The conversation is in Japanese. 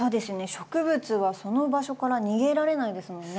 植物はその場所から逃げられないですもんね。